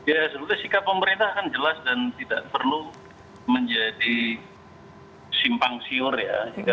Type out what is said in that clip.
ya sebetulnya sikap pemerintah kan jelas dan tidak perlu menjadi simpang siur ya